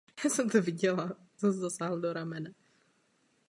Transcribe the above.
Po hodinách obléhání zapálil dav hotel.